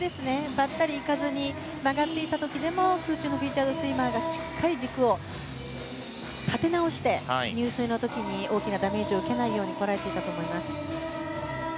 ばったりいかずに曲がっていた時でも空中のフィーチャードスイマーがしっかり軸を立て直して入水の時に大きなダメージを受けないようにこらえていたと思います。